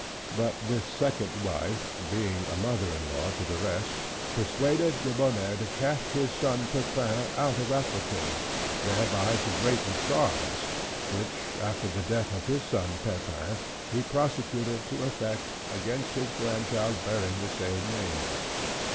But this second wife, being a mother in law to the rest, persuaded Debonnaire to cast his son Pepin out of Aquitaine, thereby to greaten Charles, which, after the death of his son Pepin, he prosecuted to effect, against his grandchild bearing the same name.